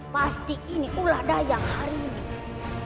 pasti ini pula dayang hari ini